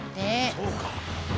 そうか。